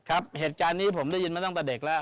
ครับเหตุการณ์นี้ผมได้ยินมาตั้งแต่เด็กแล้ว